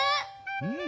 うん。